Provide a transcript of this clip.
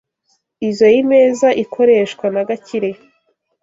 Izoi meza ikoreshwa na Gakire.